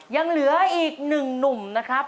ยังเหลืออีกหนึ่งหนุ่มนะครับ